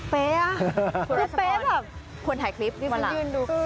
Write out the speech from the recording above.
เป๊ะอ่ะคุณรัชมันคุณเป๊ะแบบควรถ่ายคลิปดูสิยืนดู